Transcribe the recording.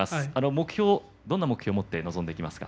目標はどんな目標を持っていますか。